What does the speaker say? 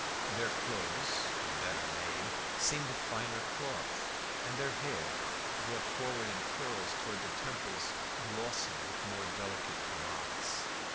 Their clothes, better made, seemed of finer cloth, and their hair, brought forward in curls towards the temples, glossy with more delicate pomades.